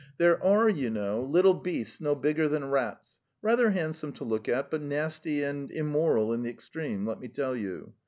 There are, you know, little beasts no bigger than rats, rather handsome to look at, but nasty and immoral in the extreme, let me tell you.